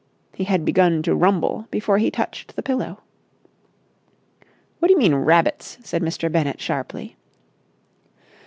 He had begun to rumble before he touched the pillow. "What do you mean, rabbits?" said Mr. Bennett sharply.